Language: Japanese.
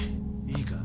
いいか？